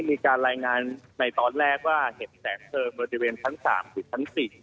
มีการรายงานในตอนแรกว่าเห็นแสงเพลิงบริเวณชั้น๓หรือชั้น๔